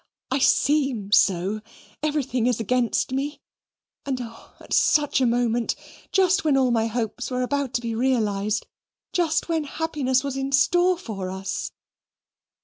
I seem so. Everything is against me. And oh! at such a moment! just when all my hopes were about to be realized: just when happiness was in store for us."